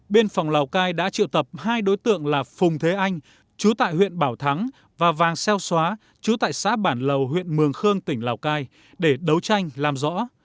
biên phòng lào cai đã triệu tập hai đối tượng là phùng thế anh chú tại huyện bảo thắng và vàng xeo xóa chú tại xã bản lầu huyện mường khương tỉnh lào cai để đấu tranh làm rõ